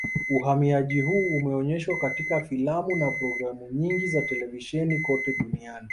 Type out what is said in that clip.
Uhamiaji huu umeonyeshwa katika filamu na programu nyingi za televisheni kote duniani